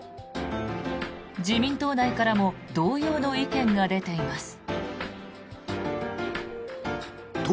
自民党内からも同様の意見が出ています。